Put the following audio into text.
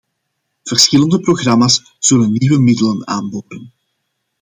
Verschillende programma's zullen nieuwe middelen aanboren.